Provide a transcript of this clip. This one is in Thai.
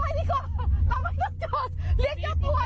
เราลองไงดีกว่า